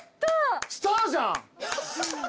スターじゃん。